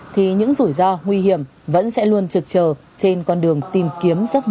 thì những rủi ro nguy hiểm vẫn sẽ luôn trực trờ trên con đường tìm kiếm sản phẩm